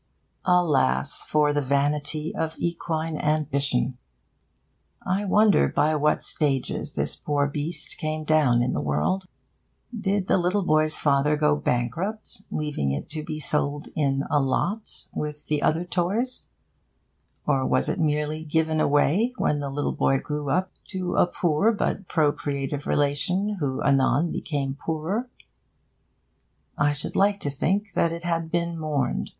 Alas for the vanity of equine ambition! I wonder by what stages this poor beast came down in the world. Did the little boy's father go bankrupt, leaving it to be sold in a 'lot' with the other toys? Or was it merely given away, when the little boy grew up, to a poor but procreative relation, who anon became poorer? I should like to think that it had been mourned.